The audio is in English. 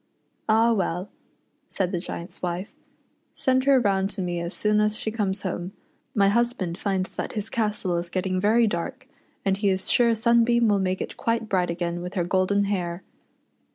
"Ah, well," said the Giant's wife, "send her round to me as soon as she comes home. My husband finds that his castle is getting very dark, and he is 72 SUNBEAM AND HER WHITE RABBIT. sure Sunbeam will make it quite bright again with her golden hair.